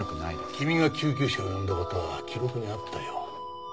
君が救急車を呼んだ事は記録にあったよ。